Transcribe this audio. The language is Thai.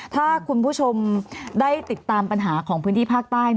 ถ้าคุณผู้ชมได้ติดตามปัญหาของพื้นที่ภาคใต้